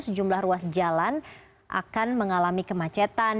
sejumlah ruas jalan akan mengalami kemacetan